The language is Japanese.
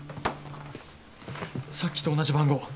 さっきと同じ番号。